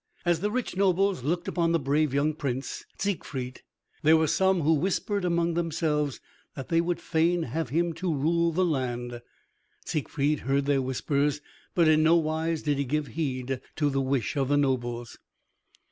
As the rich nobles looked upon the brave young Prince Siegfried, there were some who whispered among themselves that they would fain have him to rule in the land. Siegfried heard their whispers, but in no wise did he give heed to the wish of the nobles.